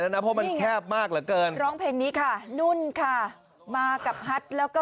นะเพราะมันแคบมากเหลือเกินร้องเพลงนี้ค่ะนุ่นค่ะมากับฮัทแล้วก็